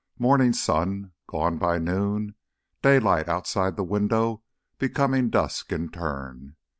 Morning sun, gone by noon, daylight outside the window becoming dusk in turn.